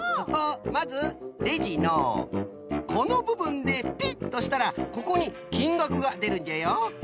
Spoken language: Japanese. まずレジのこのぶぶんでピッとしたらここにきんがくがでるんじゃよ。